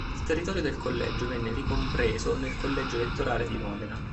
Il territorio del collegio venne ricompreso nel collegio elettorale di Modena.